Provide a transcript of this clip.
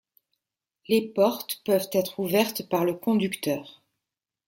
Les portes peuvent être ouvertes par le conducteur.